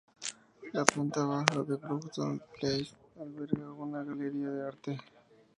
La planta baja de Broughton Place alberga una galería de arte.